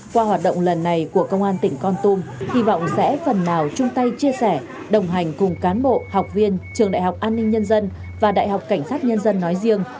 qua hoạt động lần này của công an tỉnh con tum hy vọng sẽ phần nào chung tay chia sẻ đồng hành cùng cán bộ học viên trường đại học an ninh nhân dân và đại học cảnh sát nhân dân nói riêng